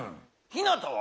ひなたは？